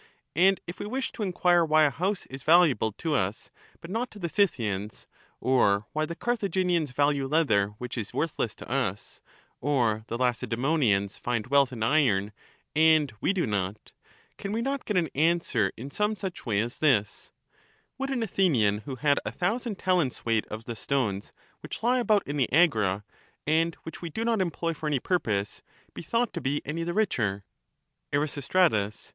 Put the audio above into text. And if we wish to enquire why a house is valuable to us but not to the Scythians, or why the Carthaginians value leather which is worthless to us, or the Lacedaemonians find wealth in iron and we do not, can we not get an answer in some such way as this : Would an Athenian, who had a thousand talents weight of the stones which lie about in the Agora and which we do not employ for any purpose, be thought to be any the richer? Eras.